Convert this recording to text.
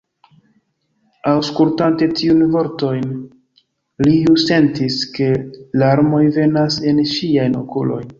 Aŭskultante tiujn vortojn, Liu sentis, ke larmoj venas en ŝiajn okulojn.